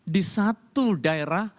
di satu daerah